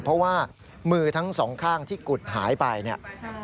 เพราะว่ามือทั้งสองข้างที่กุดหายไปเนี่ย